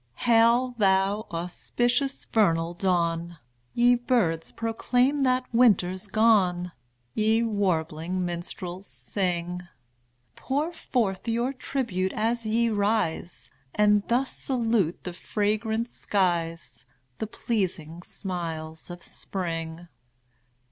Hail, thou auspicious vernal dawn! Ye birds, proclaim that winter's gone! Ye warbling minstrels, sing! Pour forth your tribute as ye rise, And thus salute the fragrant skies, The pleasing smiles of spring!